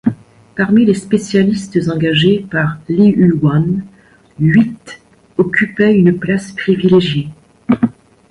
Parmi les spécialistes engagés par Liu An, huit occupaient une place privilégiée.